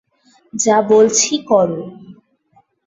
যা বলছি, কর।